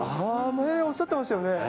ねぇ、おっしゃってましたよね。